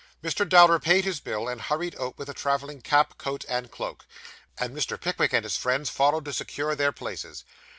Mr. Dowler paid his bill, and hurried out with his travelling cap, coat, and cloak; and Mr. Pickwick and his friends followed to secure their places.